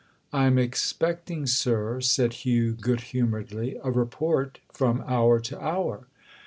"I'm expecting, sir," said Hugh good humouredly, "a report from hour to hour."